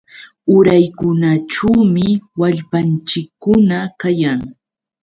Uraykunaćhuumi wallpanchikkuna kayan.